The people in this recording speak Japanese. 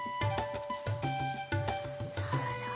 さあそれでは。